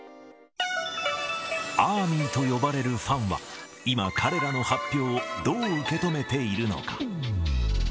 アーミーと呼ばれるファンは、今、彼らの発表をどう受け止めているのか。